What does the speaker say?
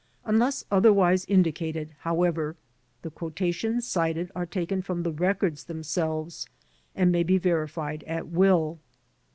Unless otherwise in dicated, however, the quotations cited are taken from the records themselves and may be verified at will.